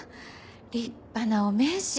立派なお名刺。